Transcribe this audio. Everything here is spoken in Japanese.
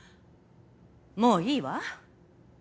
もういいわ。